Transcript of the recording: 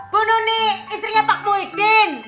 bu nuni istrinya pak muhyiddin